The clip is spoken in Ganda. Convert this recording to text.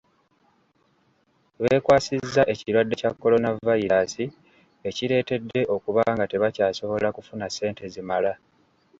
Beekwasizza ekirwadde kya Kolonavayiraasi ekireetedde okuba nga tebakyasobola kufuna sente zimala.